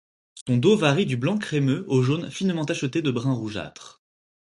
Son dos varie du blanc crémeux au jaune finement tacheté de brun rougeâtre.